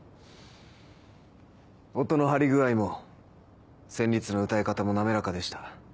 音の張り具合も旋律の歌い方も滑らかでした。